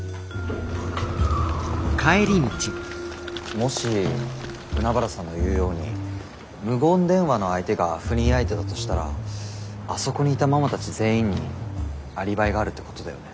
もし海原さんの言うように無言電話の相手が不倫相手だとしたらあそこにいたママたち全員にアリバイがあるってことだよね？